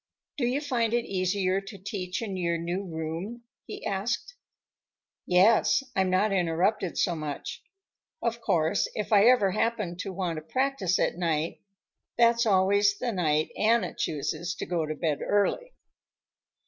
"Do you find it easier to teach in your new room?" he asked. "Yes; I'm not interrupted so much. Of course, if I ever happen to want to practice at night, that's always the night Anna chooses to go to bed early."